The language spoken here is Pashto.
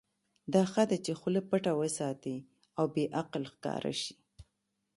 دا ښه ده چې خوله پټه وساتې او بې عقل ښکاره شې.